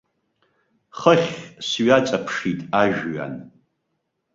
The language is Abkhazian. Хыхь сҩаҵаԥшит ажәҩан.